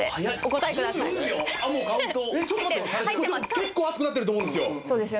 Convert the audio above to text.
結構暑くなってると思うんですよ。